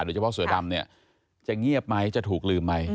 โดยเฉพาะเสือดำเนี่ยจะเงียบไหมจะถูกลืมไหม